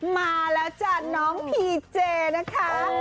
มาแล้วจ้ะน้องพีเจนะคะ